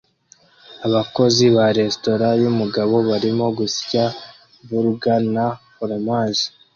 Abakozi ba resitora yumugabo barimo gusya burger na foromaje